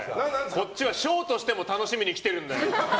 こっちはショーとしても楽しみに来てるんだよ。